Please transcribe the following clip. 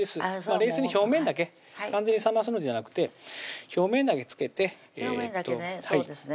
冷水に表面だけ完全に冷ますのじゃなくて表面だけつけて表面だけねそうですね